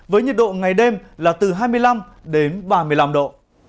với nhiệt độ ngày đêm là từ hai mươi năm đến ba mươi năm độ